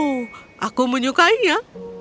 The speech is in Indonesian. oh aku menyukainya